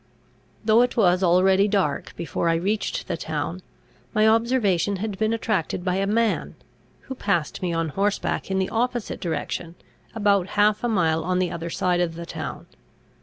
Though it was already dark before I reached the town, my observation had been attracted by a man, who passed me on horseback in the opposite direction, about half a mile on the other side of the town.